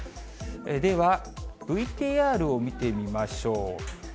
ではＶＴＲを見てみましょう。